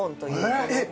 えっ！